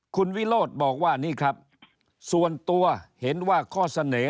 คุณวิโรธบอกว่านี่ครับส่วนตัวเห็นว่าข้อเสนอ